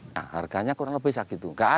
nah harganya kurang lebih segitu